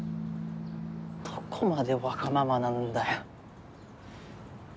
どこまでわがままなんだよ。